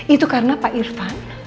itu karena pak irfan